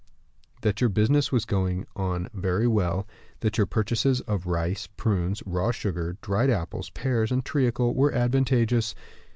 "That your business was going on very well; that your purchases of rice, prunes, raw sugar, dried apples, pears, and treacle were advantageous.